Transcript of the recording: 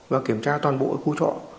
và kiểm tra toàn bộ khu trọ